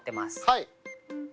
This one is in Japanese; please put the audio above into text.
はい。